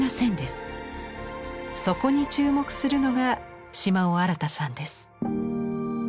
そこに注目するのが島尾新さんです。